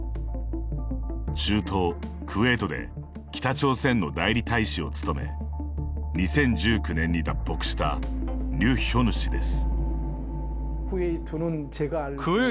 中東・クウェートで北朝鮮の代理大使を務め２０１９年に脱北したリュ・ヒョヌ氏です。